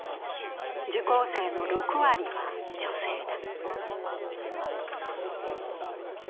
受講生の６割は女性だ。